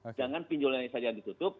sedangkan pinjolnya ini saja yang ditutup